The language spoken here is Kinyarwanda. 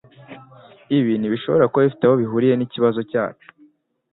Ibi ntibishobora kuba bifite aho bihuriye nikibazo cyacu